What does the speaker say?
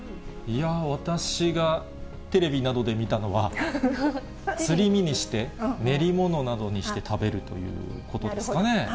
私がテレビなどで見たのは、すり身にして、練り物などにして食べるということですかね。